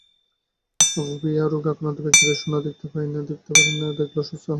Aurophobia রোগে আক্রান্ত ব্যক্তিরা সোনা দেখতেই পারেন না, দেখলে অসুস্থ হন।